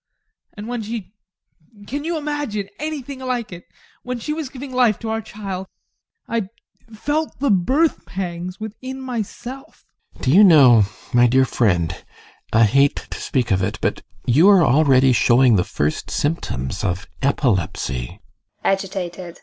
And when she can you imagine anything like it? when she was giving life to our child I felt the birth pangs within myself. GUSTAV. Do you know, my dear friend I hate to speak of it, but you are already showing the first symptoms of epilepsy. ADOLPH.